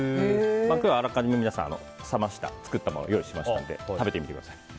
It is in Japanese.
今日はあらかじめ冷ました作ったものを用意しましたので食べてみてください。